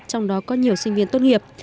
trong đó có nhiều sinh viên tốt nghiệp